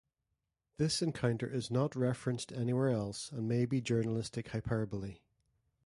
This encounter is not referenced anywhere else and may be journalistic hyperbole.